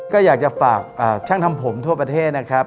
ก็อยากจะฝากช่างทำผมทั่วประเทศนะครับ